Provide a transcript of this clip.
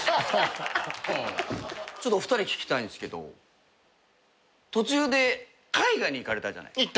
お二人に聞きたいんですけど途中で海外に行かれたじゃない。